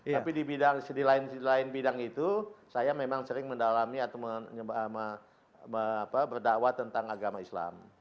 tapi di bidang sedi lain sedi lain bidang itu saya memang sering mendalami atau berdakwah tentang agama islam